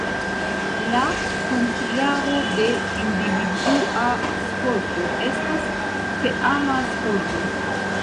La kontraŭo de individua sporto estas teama sporto.